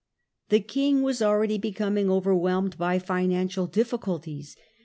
The king was already becoming overwhelmed by financial difficulties.